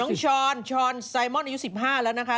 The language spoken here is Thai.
ช้อนชอนไซมอนอายุ๑๕แล้วนะคะ